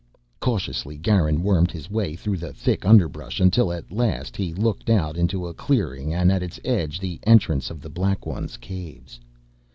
Cautiously Garin wormed his way through the thick underbrush until, at last, he looked out into a clearing and at its edge the entrance of the Black Ones' Caves.